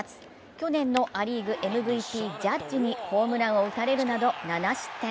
去年のア・リーグＭＶＰ、ジャッジにホームランを打たれるなど７失点。